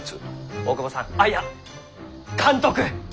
大窪さんああいや監督！